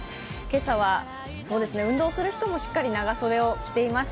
今朝は運動する人もしっかり長袖を着ています。